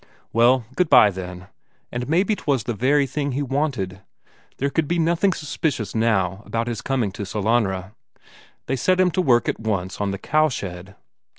Well, good bye then, and maybe 'twas the very thing he wanted; there could be nothing suspicious now about his coming to Sellanraa. They set him to work at once on the cowshed.